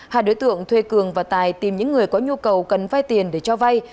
hai đối tượng thuê cường và tài tìm những người có nhu cầu cần vay tiền để cho vay